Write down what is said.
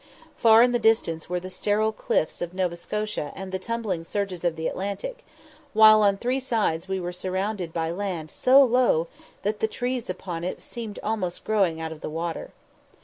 Far in the distance were the sterile cliffs of Nova Scotia and the tumbling surges of the Atlantic, while on three sides we were surrounded by land so low that the trees upon it seemed almost growing out of the water.